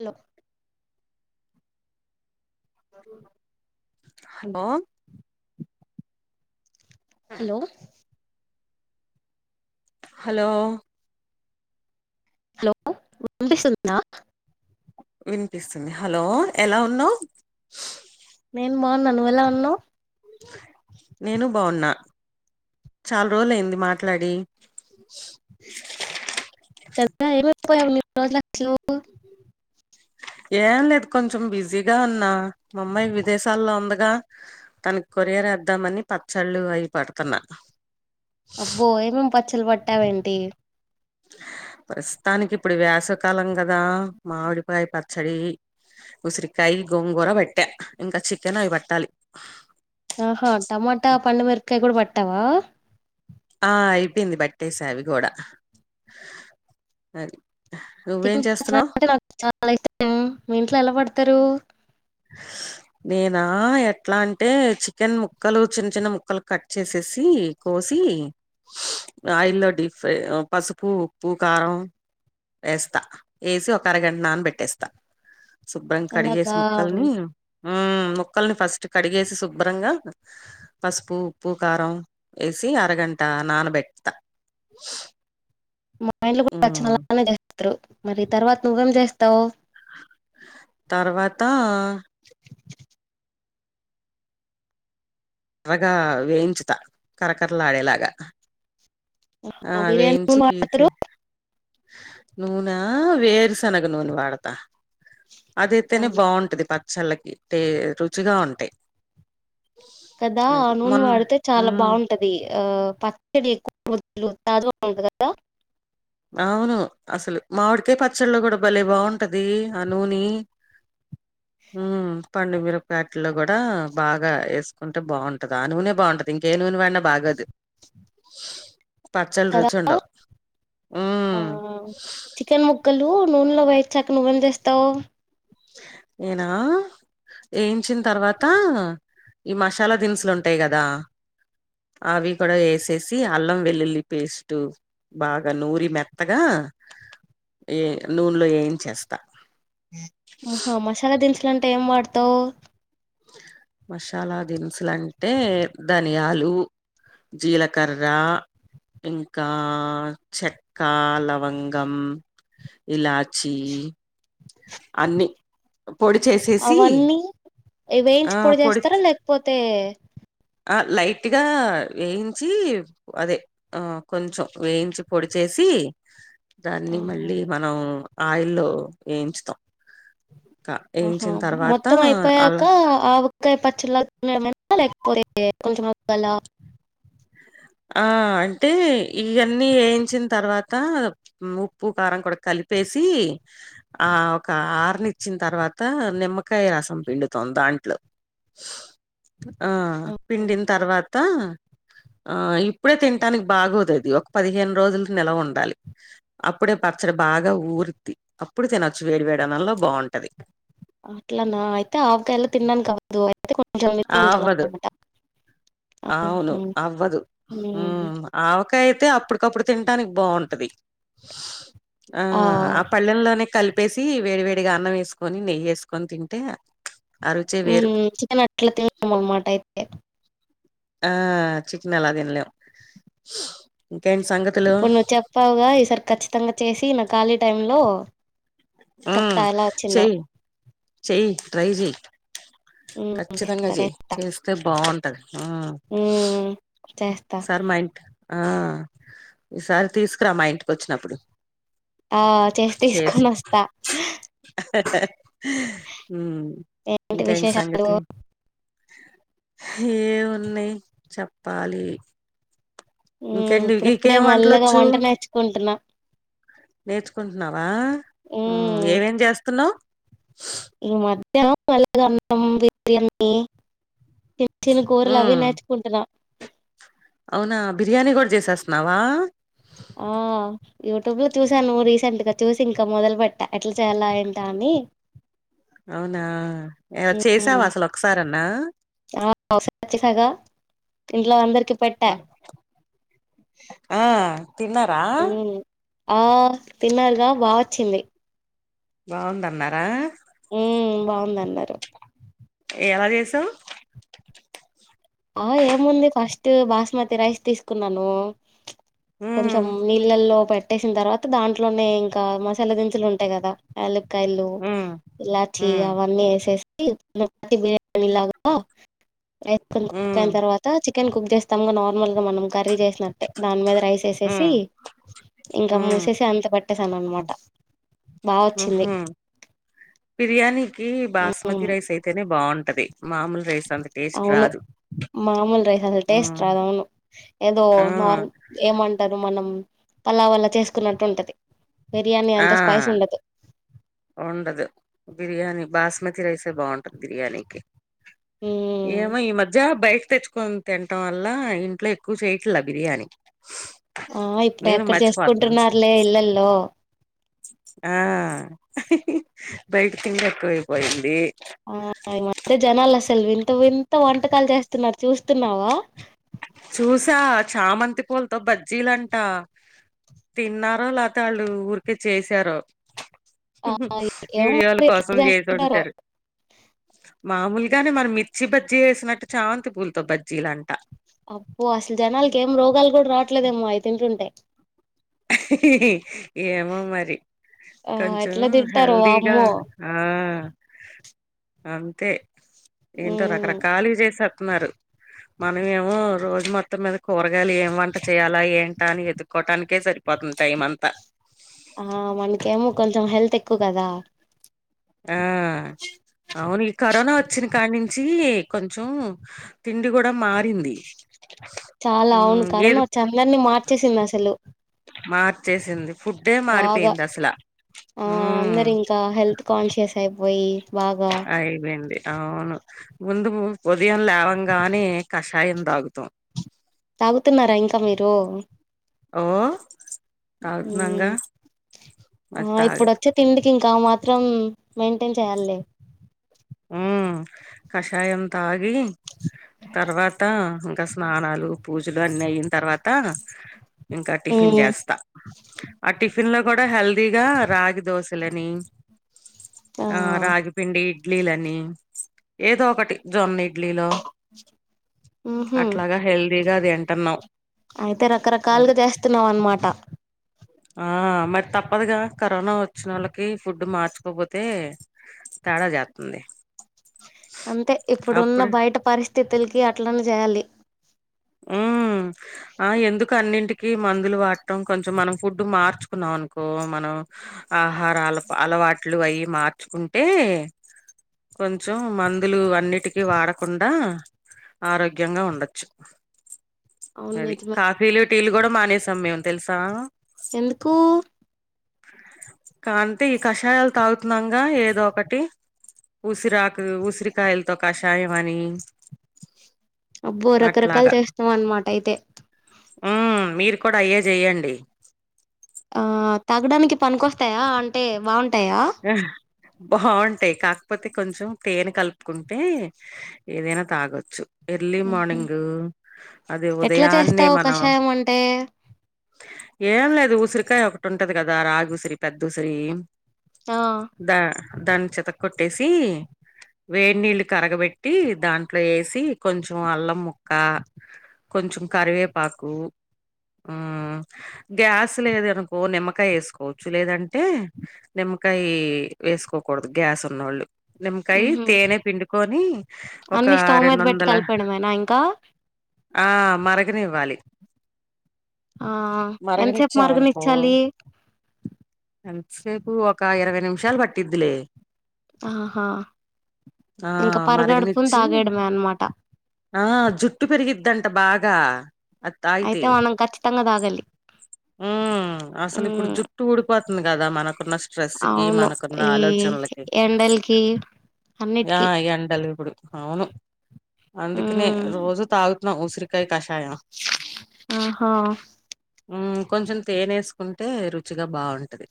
Hello జరు hello hello hello hello విన్నీపిస్తుందా వినిపిస్తుంది హలో ఎలా ఉన్నావ్ నేను బాగున్నా నువ్వు ఎలా ఉన్నావు నేను బావున్నా చాలా రోజులుయింది మాట్లాడి ఏం అయ్యిపోయావు ఇన్ని రోజులు ఏం లేదు కొంచెం బిజీగా ఉన్నా మా అమ్మాయి విదేశాల్లో ఉందిగా తనకి కో కొరియర్ వేద్దామని పచ్చళ్ళు అయి పడుతున్నా అబ్బో ఏమేం పచ్చలు పట్టావేంటి ప్రస్తుతానికి ఇప్పుడు వేసకాలం కదా మామిడికాయ పచ్చడి ఉసిరికాయ గోంగూర బట్ట ఇంకా చికెన్ అవి పట్టాలి ఆహా టమాటా పండుమిరపకాయ కూడా పట్టవా ఆ అయిపోయింది బట్టేసేవి కూడాడ అది నువ్వేం చికెన్ చేస్తున్నావు పచ్చడి నాకు చాలా ఇష్టం మీ ఇంట్లో ఎలా పడతారు [inaudible] నేనా ఎట్లా అంటే చికెన్ ముక్కలు చిన్న చిన్న ముక్కలు కట్ చేసేసి కో పోసి అల్లో డిఫ పసుపు ఉప్పు కారం వేస్తా వేసి ఒక అరగంట నాన్న పెట్టేస్తా శుభ్రం కడిగేసి అలాగా ముక్కల్ని ఉ మొక్కల్ని ఫస్ట్ కడిగేసి శుభ్రంగా పసుపు ఉప్పు కారం వేసి అరగంట అంతా నన్ బెట్త మా ఇంలు కూడా చ్చినలానే చేస్తారు మరి తర్వాత నువ్వేం చేస్తావు తర్వాత ఎర్రగా వేయించుత కరకర్రలా ఆడేలాగా ఆ మీరేం వేయించి నూనె వాడతారు తీసి నూనె వేరుశనగ నూనె వాడతా అదయితేనే బాగుంటది ప చల్లకి రుచిగా ఉంటేయి కదా ఆ నూనె వాడితే చాలా బాగుంటది ఆ పచ్చడి ఎక్కువ నాదు బాగుంది కదా అవును అసలు మావిడికే పచ్చళ్ళు కూడా భలే బాగుంటది ఆ నూనె [inaudible] ఆ పండు మీరు ప్యాటలో కూడా బాగా వేసుకుంటే బాగుంటది ఆ నూనె బాగుంటది ఇంకే న ఏ నుని భగదు పచ్చలు కదా రుచి ఉండవు ఆ ఉమ్ చికెన్ ముక్కలు నూనెలో వయచ్చాక నువ్వెం చేస్తావు నేనా వేయించిన తర్వాత ఈ మసాలా దినుసులు ఉంటాయి కదా అవి కూడా వేసేసి అల్లం వెల్లుల్లి పేస్ట్ బాగా నూరి మెత్తగా ఏ నూనలో ఏయించేస్తా హా మసాలా దినుసులు అంటే ఏం వాడతావ్ మసాలా దిన్సులంటే ధనియాలు జీలకర్ర ఇంకా చెక్క లవంగం ఇలాచ్చి అన్ని పొడి చేసేసి ఇ వేయించి పొడి చేస్తారా లేకపోతే ఆ లైట్గా వేయించి అదే ఆ కొంచెం వేయించి పొడిచేసి ఆ దాన్ని మళ్ళీ మనం ఆయిల్లో ఏయించుతం. ఆహా మొత్తం అయిపోయాక అలా ఆవక్కాయ్ [unintelligible] ఆ అంటే ఇయన్నీ ఏయించిన్ తర్వాత ఉప్పు, కారం కుడ కలి పేసి ఆ ఒక ఆరనిచ్చిన్ తర్వాత నిమ్మకాయ్ రసం పిండు తొందా దాంట్లో ఆ పిండిన్ తర్వాతా ఆ ఇప్పుడే తిన్టానికి బాగోదది ఒక పదిహేన్ రోజుల్ నెల ఉండాలి. అప్పుడే పచ్చడి బాగా ఊరిద్ది. అప్పుడు తినొచ్చు వేడి వేడి అన్నంలో బాగుంటది. అట్లనా అయితే ఆవకాయలా తినడానికి అవ్వదు అయితే కొంచం నిల్వ ఉంచాల్ అవ్వదు. అన్నమాట. అవును అవ్వదు. మ్ ఆవకాయ్ అయితే అప్పుటికప్పుడు తిన్టానికి బాగుంటది. ఆ ఆ పల్లెంలోనే కల్ పేసి వేడి వేడిగా అన్నం ఏస్కొని నెయ్యి ఏస్కొని తింటే ఆ రుచే వేరు మ్ చికెన్ అట్ల తింటాము అన్నమాట అయితే ఆ చికెన్ అలా తిన్లేం. ఇప్పుడు నువ్ చెప్పావుగా ఈసారి ఖచ్చితంగా చేసి నా ఖాళీ టైమ్లో మ్ చెయ్ చెయ్ ట్రై చెయ్ ఉమ్ ఖచ్చితంగ తెస్తా చే చెయ్ చేస్తే బాగుంటది. మ్ ఉమ్ చేస్తా సరే మా ఇం ఆ ఈ సారి తీస్కురా మా ఇంటిక్ వచ్చినప్పుడు ఆ చేసి తీస్కోనొస్తా. మ్ ఏంటి ఇంకా ఏం విశేషాలు సంగతి ఏమున్నయి చెప్పాలి. మ్ ఇంకేంటి ఇప్పుడిప్పుడే నీకేం మెల్లగా వంటలొచ్చు వంట నేర్చుకుంటున్నా నేర్చుకుంటున్నావా ఉమ్ ఏమేం చేస్తున్నావ్ ఈ మధ్యా [inaudible] అన్నం బిర్యానీ చిన్న చిన్న కూరల్ అవి ఉమ్ నేర్చుకుంటున్నా. అవునా బిర్యానీ గుడ చేసేస్తున్నావా ఆ యూట్యూబ్లో చూసాను రీసెంట్గ చూసి ఇంకా మొదలుపెట్ట ఎట్లా చేయాలా ఏంట అని అవునా ఏ ఉమ్ చేసావా అసల్ ఒకసారన్నా ఆ [unintelligible] ఇంట్లో అందర్ ఆ తిన్నరా ఉమ్ ఆ తిన్నరుగా బాగొచ్చింది. బాగుందన్నారా మ్ బాగుందన్నారు. ఎలా చేసావ్ ఆ ఏముంది ఫస్ట్ బాస్మతి రైస్ తీస్కున్నాను. కొంచెం ఉమ్ నీళ్ళల్లో పెట్ పెట్టేసిన్ తర్వాత దాంట్లోనే ఇంకా మసాలా దినుసులు ఉంటాయి కదా కాయలు ఉమ్ ఇలాచి ఉమ్ అవన్నీ ఏసేస్ బిర్యానీ లాగా ఉమ్ [unintelligible] చికెన్ కుక్ చేస్తాం నార్మల్గా మనం కర్రీ చేస్ ట్లాంటే దాన్ మీద రైస్ ఏసేసి ఉమ్ ఇంకా ఉమ్ మూసేసి అంత పట్ ట్టేసాను అన్నమాట. మ్ హ్ బిర్యానీకి ఉమ్, బాస్మతి రైస్ అయితేనే బాగుంటది. మామూల్ రైస్ అంత టేస్ట్ రాదు. మామూల్ రైస్ అసల్ టేస్ట్ హ్మ్ రాద్ అవును ఏదో ఆ నార్ ఏమంటరు మనం పలావల చేస్కున్నట్టుంటది బిర్యానీ ఆ అంత స్పైస్ ఉండదు. ఉండదు. బిర్యానీ బాస్మతి రైసే బాగుంటది బిర్యానీకి ఉమ్ ఏమో ఈ మధ్య బయ తెచ్చుకొని తినటం వల్లా ఇంట్లో ఎక్కువ చేయ్యట్లా బిర్యానీ. ఆ ఇప్పుడు నేను ఎక్కడ మర్చిపోతున్నాను చేసుకుంటున్నారులే ఇళ్లల్లో. ఆ బయట తిండె ఎక్కువైపోయింది. ఆ ఈ మధ్య జనాలు అసలు వింత వింత వంటకాలు చేస్తున్నారు చూస్తున్నావా. చూసా చామంతి పూలతో బజ్జీలంటా. తిన్నారో లేపోతే వాళ్ళు ఊరికే చేసారో. ఆ ఏమో వీడియోల మరి ఎట్లా కోసం చేస్తున్నారో చేసుంటరు. మామూలుగానే మన మిర్చి బజ్జీ ఎసినట్టు చామంతి పూలతో బజ్జీలు అంటా. అబ్బో అసలు జనాలకి ఏం రోగాలు కూడా రావట్లేదేమో అవి తింటుంటే. ఏమో మరి. ఆ కొంచెం ఎట్లా తింటారో హెల్దీగా వామ్మో ఆ అంతే ఏంటో ఉమ్ రకరకాలు చేసేతున్నారు. మనమేమో రోజు మొత్తం మీద కూరగాయలు ఏం వంట చేయాలా ఏంటా అని ఎతుకోవటానికి కేసరిపోతుంది టైమ్ అంతా. ప్పు కదా ఆ అవును ఈ కరోనా వచ్చినా కాడ్నించి కొంచెం తిండి కూడా మారింది. చాలా అవును మ్ కరోనా ఏది వచ్చి అందరినీ మార్చేసింది అసలు. చేసింది. బాగా ఆ మ్ అందరు ఇంకా హెల్త్ కాన్షియస్ అయిపోయి బాగా అయిపోయింది అవును ముందు [inaudible] ఉదయం లేవంగానే కషాయం తాగుతాం. తాగుతున్నారా ఇంకా మీరు. ఓ తాగుతున్నాంగా. ఉమ్ అది ఆ తాగ ఇప్పుడు వచ్చే తిండికి ఇంకా మాత్రం మెయింటైన్ చేయాల్లే. ఉ కషాయం తా గి తర్వాత ఇంకా స్నానాలు పూజలు అన్ని అయింన్ తర్వాత ఇంకా టిఫిన్ ఉమ్ చేస్తా. ఆ టిఫిన్ లో కూడా హెల్దీగా రాగి దోశ లని ఆ రాగిపిండి ఇడ్లీలని ఏదో ఒకటి. జొన్న ఇడ్లీలో ఉహు అట్లాగా హెల్దీగా తింటున్నాం. అయితే అది రకరకాలుగా చేస్తున్నావు అన్నమాట. ఆ మరి తప్పదుగా కరోనా వచ్చినోళ్ళకి ఫుడ్ మార్చుకోపోతే తేడా జాత్తుంది. అంతే ఇప్పుడున్నా బయట పరిస్థితులకి అట్లనే చేయాలి. హ్ హ్ ఆ ఎందుకు అన్నింటికి మందులు వాడటం కొంచెం మనం ఫుడ్డు మార్చుకున్నాం అనుకో మనం ఆహారాలు అలవాట్లు అయి మార్చుకుంటే కొంచెం మందులు అన్నిటికీ వాడకుండా ఆరోగ్యంగా ఉండొచ్చు. అవును అది నిజమే కాఫీలు, టీలు కూడా మానేసాం మేం తెలుసా. ఎందుకు? కాంటే ఈ కషాయాలు తాగుతున్నాంగా ఏదో ఒకటి. ఉసిరాకు ఉసిరికాయలతో కషాయం అనీ అబ్బో రకరకాలు చేస్తున్నావు అన్నమాట అయితే. ఉ మీరు కూడా అయ్యే చెయ్యండి. ఆ తగాడానికి పనికికొస్తాయా అంటే బావుం హ బావుంటయి కాకపోతే కొంచెం తేనె కలుపుకుంటే ఏదైనా తాగొచ్చు. ఎర్లీ ఉహు మార్నింగ్ అది ఎట్లా ఉదయాన్నే చేస్తావు మనం కషాయం అంటే ఏం లేదు ఉసిరికాయ ఒకటి ఉంటది కదా రాగి ఉసిరి పెద్ద ఉసిరి ఆ దాని చెత కొట్టేసి వేడి నీళ్ళు కరగబెట్టి దాంట్లో వేసి కొంచెం అల్లం ముక్క కొంచం కరివేపాకు ఆ గ్యాస్ లేదు అనుకో నిమ్మకాయ వేసుకోవచ్చు లేదంటే నిమ్మకాయ వేసుకోకూడదు గ్యాస్ ఉన్నవాళ్ళు నిమకాయ ఉహు తేనె పిండుకని ఒక అన్ని స్టవ్ రెండు మీద పెట్టి వందల కలిపేయడమేనా ఇంకా ఆ మార్గనివ్వాలి ఆ ఎంతసేపు మార్గనిచ్చావ్ అనుకో మరగనిచ్చాలి ఎంతసేపు ఒక ఇరవై నిమిషాలు పట్టిద్లే ఆహా ఆ ఇంకా పరగడుపున మరగనిచ్చి తాగడమే అనమాట ఆ జుట్టు పెరిగిద్దంట బాగా అయితే మనం ఖచ్చితంగా తాగలి ఆ అసలు ఇప్పుడు ఉమ్ జుట్టు ఊడిపోతుంది కదా మనకు న్న స్ట్రెస్ కి అవును మనకున్న ఈ ఆలోచనలకి ఎండలకి ఆ అన్నిటికి ఇగా ఎండలు ఇప్పుడు అవును అందుకనే ఉమ్ రోజు తాగుతున్నాం ఉసిరికాయ కషాయం ఆహో కొంచెం తేనేసుకుంటే రుచిగా బాగుంటది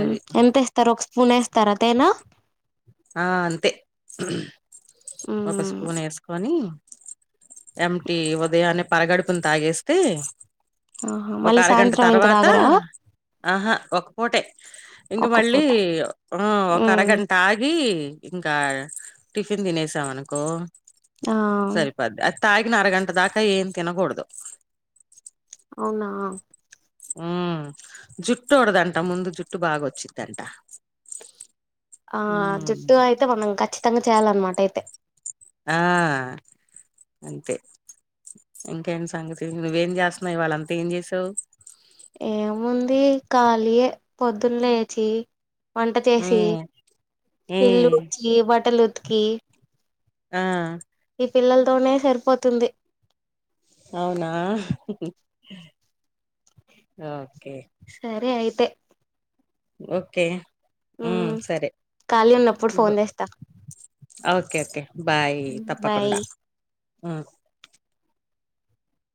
అది ఎంతేస్తారు ఒక స్పూన్ వేస్తారా తేన ఆ అంతే ఒక ఉమ్ స్పూన్ వేసుకొని ఎమిటి ఉదయానే పరగడుపును తాగేస్తే ఆహా ఒక మళ్ళీ అరగంట సాయంత్రం ఇంక తర్వాత తాగరా ఆహా ఒక పూటే ఇంక ఒక్క మళ్ళీ పూట ఆ ఒక ఉమ్ అరగంట అగ్గి ఇంకా టిఫిన్ తినేసాం అనుకో ఆ సరిపోద్ది అది తాగిన అరగంట దగా ఏం తినకూడదు అవునా హ జుట్టు ఊడదంట ముందు జుట్టు బాగా వచ్చిద్దంట ఆ ఉమ్ జుట్టు అయితే మనం ఖచ్చితంగా చేయాలన్నమాట అయితే ఆ అంతే ఇంకేంటి సంగతి నువ్వేం చేస్తున్నావు ఇవాళ్ళంతా ఏం చేసావ్ ఏముంది ఖాళీయే పొద్దున్న లేచి వంట చేసి ఉమ్ ఇల్లు ఉమ్ ఊడ్చి బట్టలు ఉతికి ఈ మ్మ్ పిల్లలతోనే సరిపోతుంది అవునా ఓకే సరే అయితే ఓకే ఉమ్ మ్మ్ సరే ఖాళీ ఉన్నప్పుడు ఫోన్ చేస్తా ఓకే ఓకే బాయ్ బాయ్ తప్పకుండా